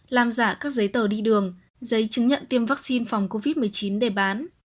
làm giả các giấy tờ đi đường giấy chứng nhận tiêm vaccine phòng covid một mươi chín để bán